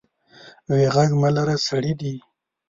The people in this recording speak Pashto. وې غږ مه لره سړي دي.